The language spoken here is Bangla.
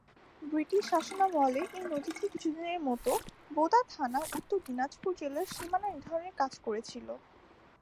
ব্রিটিশ শাসনামলে এই নদীটি কিছুদিনের মতো বোদা থানা ও উত্তর দিনাজপুর জেলার সীমানা নির্ধারণের কাজ করেছিলো।